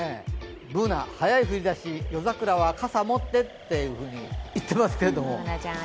Ｂｏｏｎａ、早い降り出し、夜桜は傘持ってと言ってますけど。